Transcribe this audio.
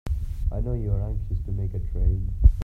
I know you're anxious to make a train.